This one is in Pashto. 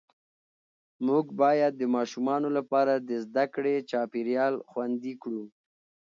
موږ باید د ماشومانو لپاره د زده کړې چاپېریال خوندي کړو